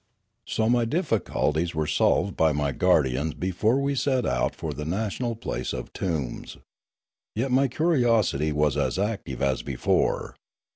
So my difficulties were solved by my guardians be fore we set out for the national place of tombs. Yet ray curiosity was as active as before.